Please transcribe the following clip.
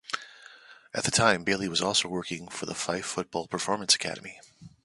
At that time, Bailey was also working for the Fife Football Performance Academy.